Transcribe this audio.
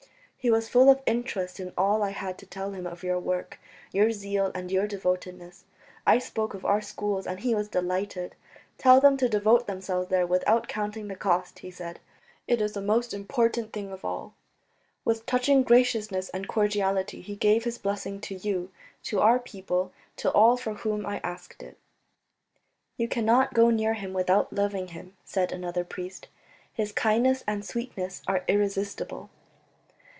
He was full of interest in all I had to tell him of your work, your zeal and your devotedness. I spoke of our schools and he was delighted. 'Tell them to devote themselves there without counting the cost,' he said: 'it is the most important thing of all." With touching graciousness and cordiality he gave his blessing to you, to our people, to all for whom I asked it." "You cannot go near him without loving him," said another priest, "his kindness and sweetness are irresistible."